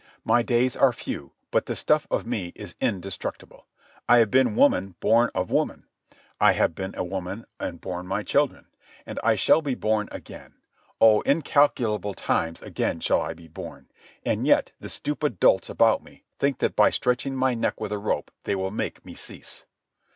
My days are few, but the stuff of me is indestructible. I have been woman born of woman. I have been a woman and borne my children. And I shall be born again. Oh, incalculable times again shall I be born; and yet the stupid dolts about me think that by stretching my neck with a rope they will make me cease.